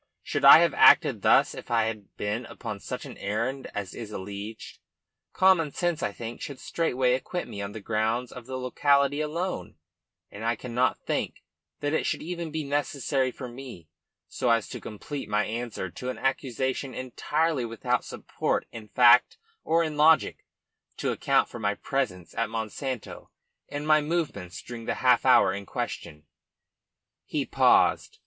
Should I have acted thus if I had been upon such an errand as is alleged? Common sense, I think, should straightway acquit me on the grounds of the locality alone, and I cannot think that it should even be necessary for me, so as to complete my answer to an accusation entirely without support in fact or in logic, to account for my presence at Monsanto and my movements during the half hour in question." He paused.